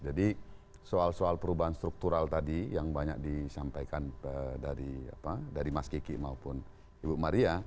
jadi soal soal perubahan struktural tadi yang banyak disampaikan dari mas kiki maupun ibu maria